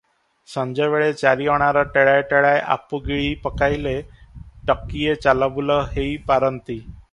ସଞ୍ଜବେଳେ ଚାରି ଅଣାର ଟେଳାଏ ଟେଳାଏ ଆପୁ ଗିଳି ପକାଇଲେ ଟକିଏ ଚାଲବୁଲ ହେଇ ପାରନ୍ତି ।